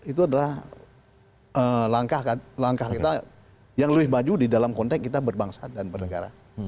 itu adalah langkah kita yang lebih maju di dalam konteks kita berbangsa dan bernegara